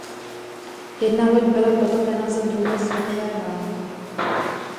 Jedna loď byla potopena za druhé světové války.